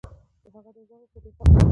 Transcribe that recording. هغه نن راغی خو ډېر خپه و